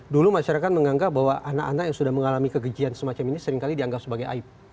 dulu masyarakat menganggap bahwa anak anak yang sudah mengalami kegijian semacam ini seringkali dianggap sebagai aib